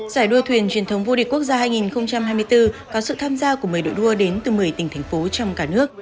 giải đua thuyền truyền thống vô địch quốc gia hai nghìn hai mươi bốn có sự tham gia của một mươi đội đua đến từ một mươi tỉnh thành phố trong cả nước